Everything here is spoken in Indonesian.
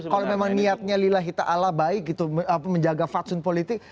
kalau memang niatnya lelahi ta'ala baik gitu menjaga faksun politik